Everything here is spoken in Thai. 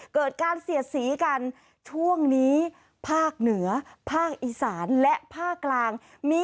เกิดการเสียดสีกันช่วงนี้ภาคเหนือภาคอีสานและภาคกลางมี